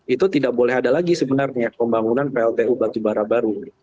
itu tidak boleh ada lagi sebenarnya pembangunan pltu batubara baru